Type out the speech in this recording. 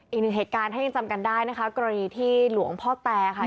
อีกหนึ่งเหตุการณ์ถ้ายังจำกันได้นะคะกรณีที่หลวงพ่อแตค่ะ